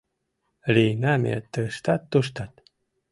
«Лийна ме тыштат-туштат.